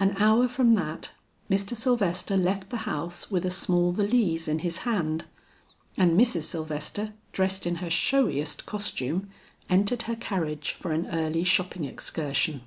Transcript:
An hour from that Mr. Sylvester left the house with a small valise in his hand, and Mrs. Sylvester dressed in her showiest costume, entered her carriage for an early shopping excursion.